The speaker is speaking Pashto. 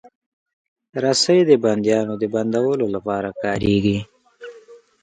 رسۍ د بندیانو د بندولو لپاره کارېږي.